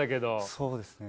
そうですね。